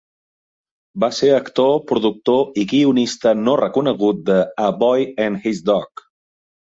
Va ser actor, productor i guionista no reconegut de "A Boy and His Dog".